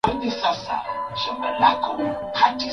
Bibi upande wa baba yake anaitwa Isabel da Piedade